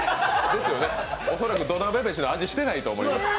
ですよね、恐らく土鍋飯の味、してないと思います。